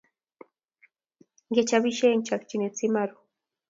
Nge chopisie eng chokchinet si ma ru